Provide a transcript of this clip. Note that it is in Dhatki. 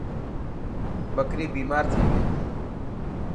ٻڪري بيمار ٿي گئي.